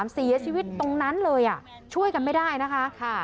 เสียชีวิตตรงนั้นเลยช่วยกันไม่ได้นะคะ